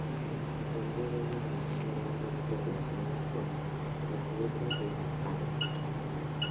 Descendía de una familia largamente relacionada con las letras y las artes.